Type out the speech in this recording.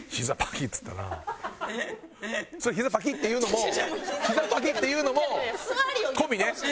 ひざパキっていうのもひざパキっていうのも込みね？